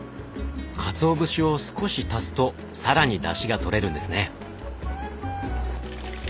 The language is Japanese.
かつお節を少し足すと更にだしがとれるんですね。